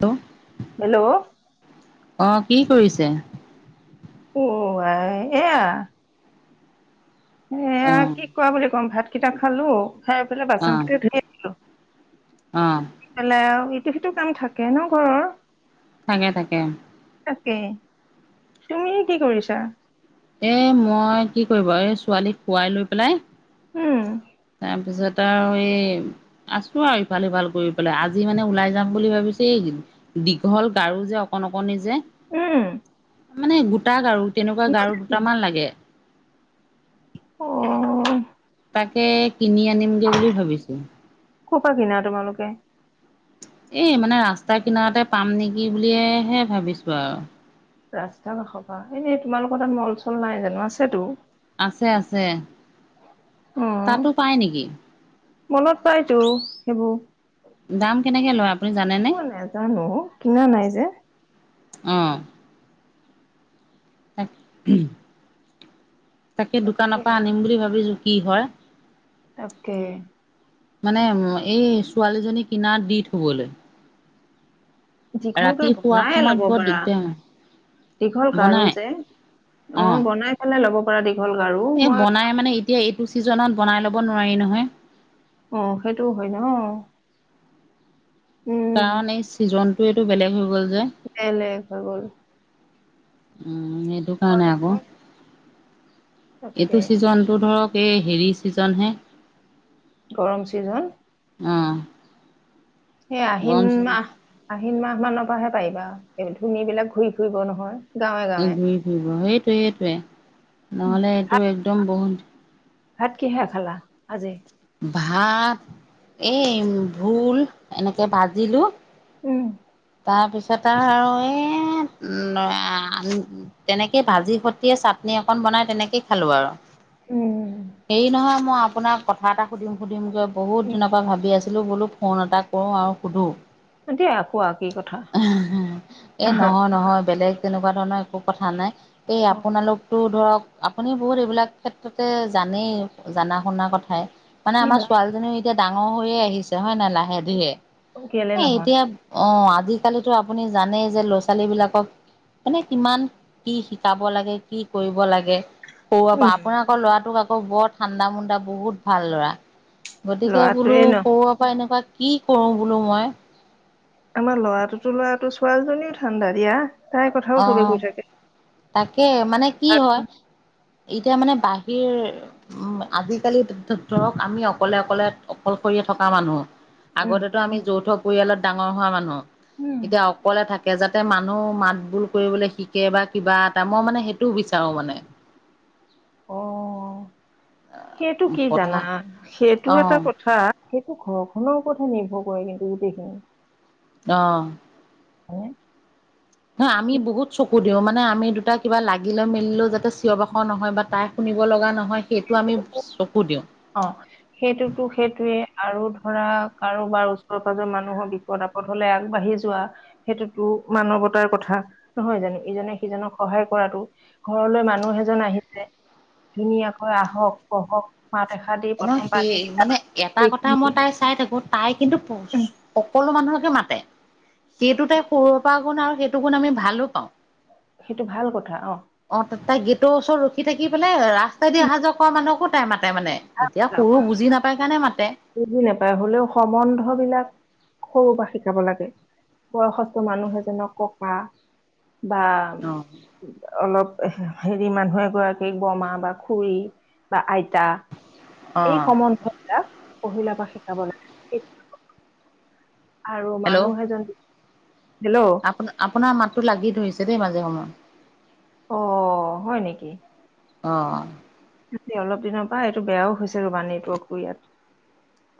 ত' hello! অ', কি কৰিছে? অ' আই এয়া। এয়া অ' কি কৰা বুলি কম ভাত কেইটা খালোঁ, খাই পেলাই বাচনকেইটা ধুই আহিলোঁ। অঁ। সিফালে আৰু ইটো সিটো কাম থাকে ন ঘৰৰ। থাকে থাকে। তাকে, তুমি কি কৰিছা? এ মই কি কৰিব এই ছোৱালীক খোৱাই লৈ পেলাই উম তাৰপিছত আৰু এই আছোঁ আৰু ইফাল সিফাল কৰি পেলাই, আজি মানে ওলাই যাম বুলি ভাবিছো এই দীঘল গাৰু যে অকণ অকণি যে উম মানে গোটা গাৰু তেনেকুৱা গাৰু দুটামান লাগে অ' তাকে কিনি আনিমগে বুলি ভাবিছোঁ ক'পা কিনা তোমালোকে? এই মানে ৰাস্তা কিনাৰতে পাম নেকি বুলিয়েহে ভাবিছোঁ আও ৰাস্তা কাষপা এনেই তোমালোকৰ তাত মল চল নাই জানো, আছেতো আছে আছে অ তাতো পাই নেকি? মলত পাইতো সেইবো দাম কেনেকে লয় আপুনি জানেনে? নাজানো অ কিনা নাই যে অঁ তাক উম তাকে দোকানৰ পা আনিম বুলি ভাবিছোঁ কি হয় তাকে মানে এই ছোৱালীজনী কিনাৰ দি থবলে দীঘলকৈ শোৱাৰ বনাইয়ে সময়ত ল'ব বৰ পাৰা দিগদাৰ দীঘল গাৰু বনাই যে অ বনাই কেনে ল'ব পৰা দীঘল গাৰু এ মই বনাই মানে এতিয়া এইটো চিজনত বনাই লব নোৱাৰি নহয় অ সেইটোও হয় ন উম কাৰণ এই চিজনটো এইটো বেলেগ হৈ গ'ল যে বেলেগ হৈ গ'ল উম সেইটো হয় কাৰণে আক আকৌ তাকে এইটো চিজন টো ধৰক এই হেৰি ছিজনহে গৰম চিজন অ এই আহিন গৰম চিজন মাহ আহিন মাহ মানৰ পৰাহে পাৰিবা, এই ধুনী বিলাক ঘূৰি ফুৰিব নহয় গাঁৱে গাঁৱে ঘূৰি ফুৰিব সেইটোৱে সেইটোৱে উম, নহলে ভাত এইটো একদম বহুত ভাত কিহেৰে খালা আজি? ভাত এই ভোল এনেকে ভাজিলোঁ উম তাৰপিছত আৰু এই নয়া তেনেকে ভাজি সতিয়ে চাটনি অকন বনাই তেনেকেই খালোঁ আৰু উম হেৰি নহয় মই আপোনাক কথা এটা সুধিম সুধিমগৈ বহুত দিনৰ পৰা ভাবি আছিলোঁ বোলো ফোন এটা কৰোঁ আৰু সোধোঁ দিয়া কোৱা কি কথা? এই নহয় নহয় বেলেগ তেনেকুৱা ধৰণৰ একো কথা নাই এই অ আপোনালোকতো ধৰক আপুনি বহুত এইবিলাক ক্ষেত্ৰতে জানেই জানা শুনা কথাই মানে কি আমাৰ বা ছোৱালীজনীও এতিয়া ডাঙ হৈয়ে আহিছে হয় নাই লাহে ধিৰে কেলে এ নহয় এতিয়া অ আজিকালিতো আপুনি জানেই যে ল'ৰা- ছোৱালী বিলাকক মানে কিমান কি শিকাব লাগে, কি কৰিব লাগে সৰুঅ পৰা উম আপোনাৰ আকৌ ল'ৰাটোক আকৌ বৰ ঠাণ্ডা মুণ্ডা, বহুত ভাল ল'ৰা গতিকে বোলো ল'ৰাটোৱে ন সৰুঅ পৰা এনেকুৱা কি কৰোঁ বোলো মই আমাৰ ল'ৰাটোতো ল'ৰাটো ছোৱালীজনীও ঠাণ্ডা দিয়া। তাইৰ কথাও চবে অঁ' কৈ থাকে তাকে মানে কি হয়। এতিয়া মানে বাহিৰ উম আজিকালি ধৰক আমি অকলে অকলে অকলশৰীয়া থকা মানুহ। উম আগতেটো আমি যৌথ পৰিয়ালত ডাঙৰ হোৱা মানুহ উম এতিয়া অকলে থাকে যা মানুহ মাত বোল কৰিবলৈ শিকে বা কিবা এটা মই মানে সেইটোও বিচাৰো মানে। অঁ' সেইটো কি কথা জানা সেইটো অ এটা কথা। সেইটো ঘৰখনৰ ওপৰতহে নিৰ্ভৰ কৰে কিন্তু গোটেইখিনি। অঁ' হয়। নহ আমি বহুত চকু দিওঁ মানে আমি দুটা কিবা লাগিল লৈ মেলিলেও যাতে চিঞৰ বাখৰ নহয় বা তাই শুনিব লগা নহয় সেইটো আমি চকু দিওঁ। অঁ' সেইটো সেইটোৱে আৰু ধৰা কাৰোবাৰ ওচৰ পাজৰ মানুহৰ বিপদ আপ বিপদ হ'লে আগবাঢ়ি যোৱা। সেইটোতো মানৱতাৰ কথা নহয় জানো ইজনে সিজনক সহায় কৰাটো। ঘৰলৈ মানুহ এজন আহিলে ধুনীয়াকৈ আহক বহক। মাত এখা দি। এন প্ৰথম সেই পানীকেইটা মানে এটা কথা সেইখিনি মই তাই চাই থাকো। তাই কিন্তু উম, সকলো মানুহকে মাতে সেইটো তাই সৰু পা গুণ আৰু সেইটো গুণ আমি ভালো পাওঁ। সেইটো ভাল কথা অঁ'। অঁ' ত তাই গেটৰ ওচৰত ৰখি থাকি পেলাই ৰাস্তাই দি অহা যোৱা কৰা মানুহকো তাই মাতে মানে। এতিয়া সৰু বুজি নাপায় কাৰণে মাতে। বুজি নাপাই হলেও সম্বন্ধ বিলাক সৰু পৰা শিকাব লাগে। বয়সস্থ মানুহে এজনক ককা বা অঁ' অলপ হেৰি মানুহ এগৰাকীক বমা বা খুৰী বা আইতা। অ এই সম্বন্ধবিলাক পহিলাৰ পৰা শিকাব লাগে। এই আৰু মানুহ এজন হেল্লো' আপ আপোনাৰ মাতো লাগি ধৰিছে দেই মাজে সময়ত। অ হয় নেকি। অঁ' এতিয়া অলপ দিনৰ পৰা এইটো বেয়াও হৈছে ৰবা নেটৱৰ্কটো ইয়াত।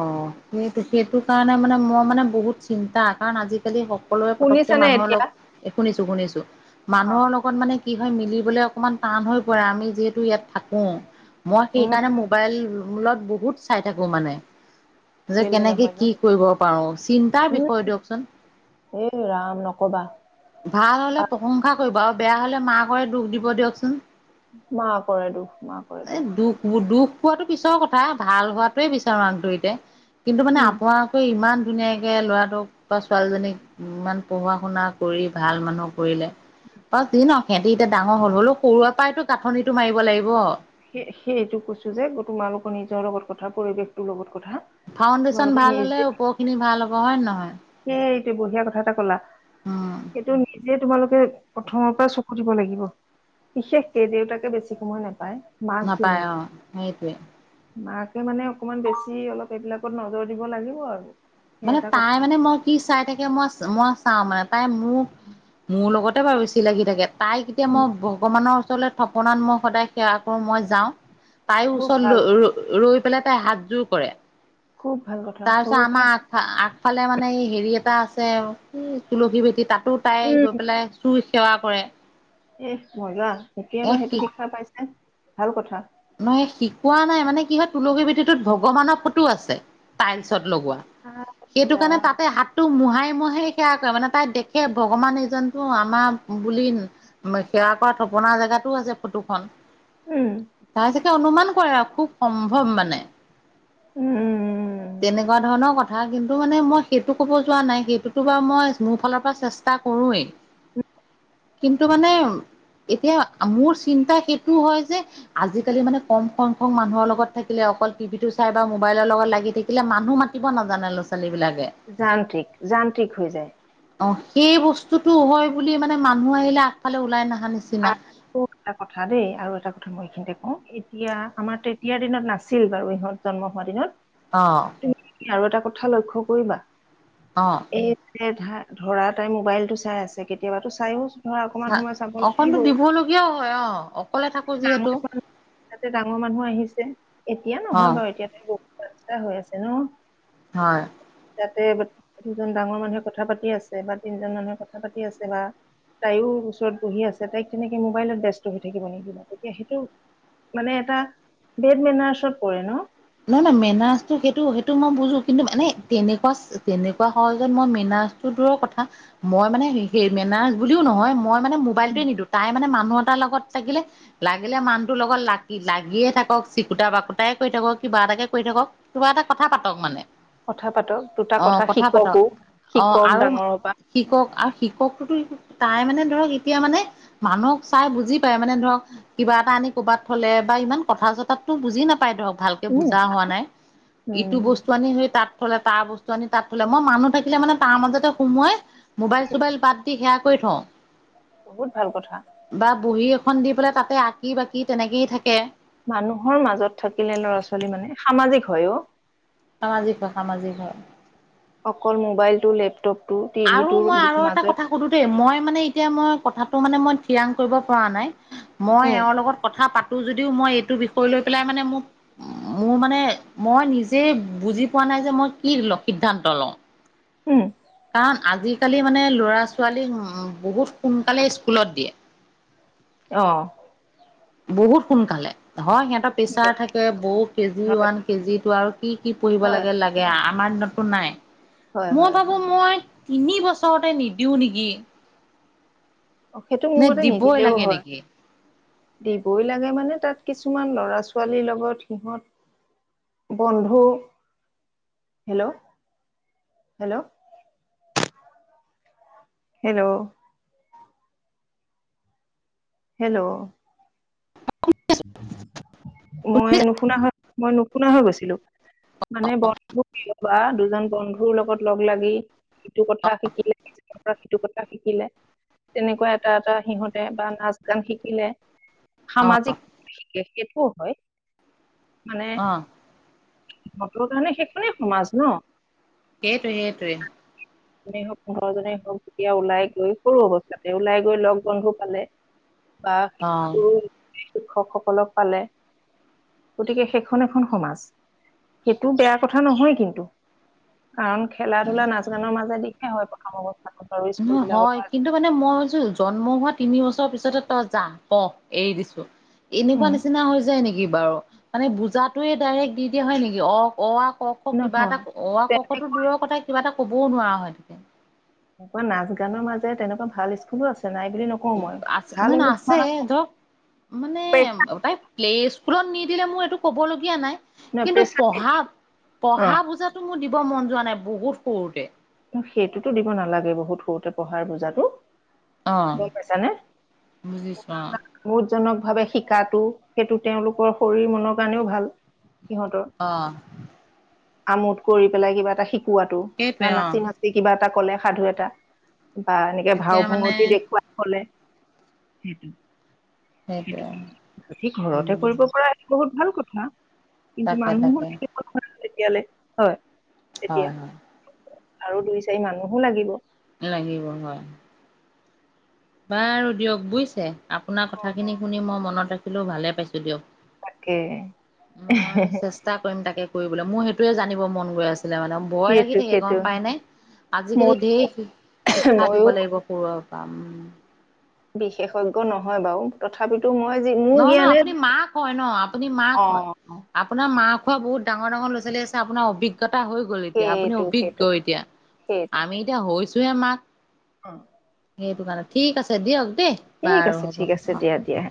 অঁ' সেইটো সেইটো কাৰণে মানে মই মানে বহুত চিন্তা কাৰণ আজিকালি সক সকলোৱে পতককে শুনিছানে মানুহৰ এতিয়া লগ শুনিছো শুনিছো অ মানুহৰ লগত মানে কি হয় মিলিবলৈ অকমান টান হৈ পৰে আমি যিহেতু ইয়াত থাকোঁ মই সেই উম, কাৰণে মোক মোবাইল মূলত বহুত চাই থাকো মানে। যে কেলে কেনেকে নহয়নো কি কৰিব পাৰো চিন্তাৰ বিষয়ে দিয়কচোন। এ ৰাম নকবা। ভাল হলে প্ৰশংসা কৰিব আৰু বেয়া হলে মাকৰে দুখ দিব দিয়কচোন। মাকৰে দুখ মাকৰে এ দুখ। দুখ দুখ পোৱাটো পিছৰ কথা ভাল হোৱাটোৱে বিচাৰো আন্তৰিতে কিন্তু মানে উম। আপোনাৰ ইমান ধুনীয়াকৈ ল'ৰাটোক বা ছোৱালীজনীক ইমান পঢ়া শুনাক কৰি ভাল মানুহ কৰিলে বাৰু যি নহক হেতি এতিয়া ডাঙৰ হল হলো সৰুৰে পৰাইতো কাঠনিটো মাৰিব লাগিব। সে সেইটো কৈছো যে তোমালোকৰ নিজৰ লগত কথা, পৰিৱেশটোৰ লগত কথা। ফাউণ্ডেশ্যন তোমালোকে ভাল হ'লে ওপৰ খিনি ভাল হ'ব হয় নে নহয়। সেই এইটো বঢ়িয়া কথা এটা কলা। উম সেইটো নি যে তোমালোকে প্ৰথমৰ পৰা চকু দিব লাগিব। বিশেষকে দেউতাকে বেছি সময় নাপায়। নাপায় মাকজনীয়ে অঁ' সেইটোৱেই। মাকে মানে অকমান বেছি অলপ এইবিলাকত নজৰ দিব লাগিব আৰু। সেই মানে এটা তাই কথা মানে মই কি চাই থাকে মই-মই চাওঁ মানে তাই মোৰ মোৰ লগতে বাৰু বেছি লাগি থাকে। তাইক এতিয়া মই উম, ভগৱানৰ ওচৰলৈ থপনাত মই সদায় সেৱা কৰো মই যাওঁ। তাইয়ো খুব ওচৰত ভাল ৰ-ৰৈ পেলাই তাই হাতযোৰ কৰে। খুব ভাল কথা তাৰপিছত সৰুৰ পৰা আমাৰ আগফালে মানে এই হেৰি এটা আছে তুলসী ভেতি তাত তটো তাই উম, গৈ পেলাই চই সেৱা কৰে। এহ মজা, এতিয়া এ পৰা শি সেইটো শিক্ষা পাইছে ভাল কথা। নহয়, শিকোৱা নাই মানে কি হয় তুলসী ভেতিটোত ভগৱানৰ ফটো আছে টাইলছত লগোৱা। সেইটো আচ্ছা, কাৰণে তাতে হাত টো মহাই মহাই সেৱা কৰে মানে তাই দেখে ভগৱান এইজনটো আমাৰ বুলি সেৱা কৰা থপনা জেগাতো আছে ফটোখন। উমঁ। তাৰ চাগে অনুমান কৰে আৰু খুব সম্ভৱ মানে। উম তেনেকুৱা ধৰণৰ কথা। কথা কিন্তু মানে মই সেইটো ক'ব যোৱা নাই। সেইটোতো বাৰু মই মোৰ ফালৰ পৰা চেষ্টা কৰোঁৱেই। কিন্তু মানে এতিয়া মোৰ চিন্তা সেইটো হয় যে আজিকালি মানে কম সংখ্যক মানুহৰ লগত থাকিলে অকল টিভিটো চাই বা মোবাইলৰ লগত লাগি থাকিলে মানুহ মাতিব নাজানে ল'ৰা ছোৱালী বিলাকে। যান্ত্ৰিক, যান্ত্ৰিক হৈ যায়। অঁ' সেই বস্তুটো হয় বুলি মানে মানুহ আহিলে আগফালে ওলাই নহা নিচিনা। [unintelligible] এটা কথা দেই আৰু এটা কথা মই এইখিনিতে কওঁ এতিয়া আমাৰ তেতিয়াৰ দিনত নাছিল বাৰু ইহঁত জন্ম হোৱা দিনত। অঁ। [unintelligible] তুমি আৰু এটা কথা লক্ষ্য কৰিবা। অঁ। এই ধ-ধৰা তাই মোবাইলটো চাই আছে কেতিয়াবাতো চাইও- ধৰা অকণমান সময় চাব লাগিব ও। কিয় হয়, অঁ'। যিহেতু। তাতে ডাঙৰ মানুহ আহিছে, এতিয়া অ নহয় বাৰু এতিয়া তেওঁ বহুত [unintelligible] হৈ আছে ন। হয়। যাতে দুজন ডাঙৰ মানুহে কথা পাতি আছে বা তিনজন মানুহে কথা পাতি আছে বা- তাইয়ো ওচৰত বহি আছে, তাইক তেনেকে মোবাইলত ব্যস্ত হৈ থাকিব নিদিবা তেতিয়া সেইটো মানে এটা বেড মেনাৰছত পৰে ন'। নহয় নহয়, মেনাছটো সেইটো সেইটো মই বুজো কিন্তু মানে তেনেকুৱা তেনেকুৱা সহজত মই মেনা টো দূৰৰ কথা। মই মানে সেই মেনাৰছ বুলিও নহয় মই মানে মোবাইলটোৱে নিদো, তাই মানে মানুহ এটাৰ লগত থাকিলে লাগিলে মানুহটোৰ লগত লাগি লাগিয়ে থাকক, চিকুতা বাকুটাই কৰি থাকক। কিবা এটাকে কৰি থাকক, কিবা এটা কথা পাতক মানে। কথা পাতক দুটা অ কথা পাতক শিককো অ শিকক আৰু ডাঙৰৰ পৰা। শিকক আৰু শিককতো তাই মানে ধৰক এতিয়া মানে- মানুহক চাই বুজি পায় মানে ধৰক- কিবা এটা আনি ক'ৰবাত থলে বা ইমান কথা চতাতো বুজি নাপাই ধৰক ভাল উম বুজা হোৱা নাই ইটো উম বস্তু আনি সেই তাত ফালে তাৰ বস্তু নি তাত থলে মই মানুহ থাকিলে মানে তাৰ মাজতে সোমোৱাই- মোবাইল চোবাইল বাদ দি সেৱা কৰি থওঁ। বহুত ভাল কথা। বা বহী এখন দি পেলাই তাতে আঁকি বাকি তেনেকেই থাকে। মানুহৰ মাজত থাকিলে ল'ৰা ছোৱালী মানে সামাজিক হয়ো। সামাজিক হয়ঁ সামাজিক হয়ঁ। অকল মোবাইল টো লেপটপ টো টিভিটোৰ মাজত। স মই মানে এতিয়া মই কথাটো মানে মই ঠিৰাং কৰিব পৰা নাই মই উম এওঁৰ লগত- কথা পাতো যদিও মই এইটো বিষয় লৈ পেলাই মানে মোক মোৰ মানে মই নিজেই বুজি পোৱা নাই যে মই কি সিদ্ধান্ত লওঁ। উমঁ! কাৰণ আজিকালি মানে ল'ৰা ছোৱালীক উমঁ বহুত সোনকালে স্কুলত দিয়ে। অঁ! বহুত সোনকালে। হয় সিহঁতৰ প্ৰেছাৰ থাকে বৌ কেজি হয় ওৱান কেজি টু আৰু কি কি পঢ়িব হয় লাগে লাগ- এয়া আমাৰ দিনতো নাই হয় মই হয় ভাবো হয় মই- তিনি বছৰতে নিদিওঁ নেকি? অ, সেইটো মোৰ নে মতে দীবৈ নিদিলেও লাগে হয় নেকি? দিবই লাগে মানে তাত কিছুমান ল'ৰা ছোৱালীৰ লগত সিহত- বন্ধু হেলৌ! হেলৌ! হেলৌ! হেল্লৌ! মই শুনিছা নো শুনা হয় মই নুশুনা হৈ গৈছিলো। মানে বন্ধুপাতি লবা কবা দুজন বন্ধুৰ লগত লগ লাগি- সিটো কথা শিকিলে সিটো কথা শিকিলে। তেনেকুৱা এটা এটা সিহঁতে বানাচ- গান শিকিলে অ', সামাজিক শিকে সেইটোও হয়ঁ। মানে অ'। সিহতৰ কৰণে সেইখনেই সমাজ ন'। সেইটোৱে সেইটোৱে। নেই হওঁক পোন্ধৰ জনেই হওঁক তেতিয়া ওলাই গৈ সৰু অৱস্থাতে ওলাই গৈ লগ বন্ধু পালে। বা অ', শিটো শিক্ষকসকলক পালে। গতিকে সেইখন এখন সমাজ সেইটো বেয়া কথা নহয় কিন্তু। কাৰণ খেলা ধূলা নাচ গানৰ মাজে দিশে হয় প্ৰথম অৱস্থাতো। ন হয় কিন্তু- মানে মইছো জন্ম হোৱা তিনি বছৰৰ পিছতে তই যা ক এৰি দিছোঁ। এনেকুৱা উম নিচিনা হৈ যায় নেকি বাৰু মানে বুজটোয়ে ডাইৰেক্ট দি দিয়া হয় নেকি অ অ আ ক ক। ক কিবা এটা নহয় অ আ তো তেনেকুৱা দূৰৰ কথা কিবা এটা কবও নোৱাৰা হয় থাকে। এনেকুৱা নাচ গানৰ মাজে তেনেকুৱা ভাল স্কুলো আছে নাই বুলি নকও- আছে ন' ন' আছে জক। মানে তাই প্লে স্কুলত নিদিলে মোৰ এইটো ক'ব লগীয়া নাই। কিন্তু প্ৰেছাৰ পঢ়া অ পঢ়া বুজাতো মোৰ দিব মন যোৱা নাই বহুত সৰুতে। সেইটোতো দিব নালাগে বহুত সৰুতে পঢ়াৰ বুজাতটো। অ', গৈ পাইছা নে? বুজিছো অ'। বহুধজনক ভাৱে শিকা সেইটো তেওঁলোকৰ শৰীৰ মনৰ কাৰণেও ভাল সিহঁতৰ। অ' আমোদ কৰি পেলাই কিবা এটা শিকোৱাতটো সেইটোৱে হয় না অ', কিবা এটা কলে সাধু এটা বা এনেকে ভাও এতিয়া মানে ভুঙতি দেখুৱা হলে সেইটো। সেইটোৱে সেইটো ঘৰতে উম, কৰিব পৰা এক বহুত ভাল কথা। কিন্তু তাকে তাকে মানুহৰতিয়াল হয়। তেতিয়া হয় হয়। আৰু দুই চাৰি মানুহো লাগিব। লাগিব হয়। বাৰু দিয়ক বুজিছে আপোনাৰ কথাখিনি শুনি মই মনত ৰাখিলোও ভালে পাইছো তাকে দিয়ক। মই চেষ্টা কৰিম তাকে কৰিবলৈ মোৰ সেইটোয়ে জানিব মন গৈ আছিলে মানে। বয় সেইটো লাগি থাকে সেইটো গম পায় নে আজিকালি মই ঢেৰ শিক্ষা ময়ো দিব লাগিব সৰু পাম উম,। বিশেষজ্ঞ নহয় বাৰু। তথাপিতো মই যি মোৰ নহয় নহয় জ্ঞানে আপুনি মাক হয় ন আপুনি মাক হয়। অ' আপোনাৰ মা খোৱা বহুত ডাঙৰাৰ লৰা ছোৱালী আনাৰ অভি্ঞ আভিগটা হৈ গ'ল এতিয়া আপুনি সেইটো সেইটো অভিজ্ঞ এতিয়া আমি এতিয়া হৈছোহে মাক। অ' সেইটো কাৰণে ঠিক আছে দিয়ক দেই। ঠিক বাৰু আছে হ'ব ঠিক আছে অ দিয়া দিয়া।